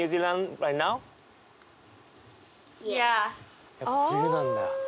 Ｙｅｓ．やっぱ冬なんだ。